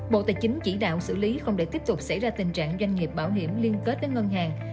bộ tài chính chỉ đạo xử lý không để tiếp tục xảy ra tình trạng doanh nghiệp bảo hiểm liên kết với ngân hàng